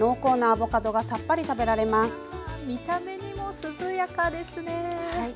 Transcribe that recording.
あ見た目にも涼やかですね。